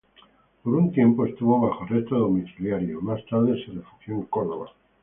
Por un tiempo estuvo bajo arresto domiciliario, y más tarde se refugió en Córdoba.